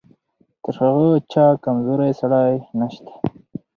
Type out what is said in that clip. تر هغه چا کمزوری سړی نشته.